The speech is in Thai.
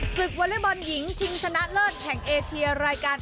วอเล็กบอลหญิงชิงชนะเลิศแห่งเอเชียรายการ